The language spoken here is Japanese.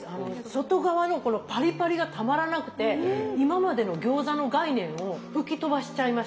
外側のこのパリパリがたまらなくて今までの餃子の概念を吹き飛ばしちゃいました。